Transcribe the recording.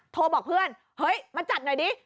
โทรบอกเพื่อนเฮ้ยมาจัดหน่อยดิ